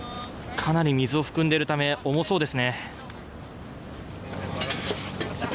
かなり水を含んでいるため重そうですね。